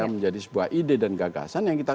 menjadi sebuah ide dan gagasan yang kita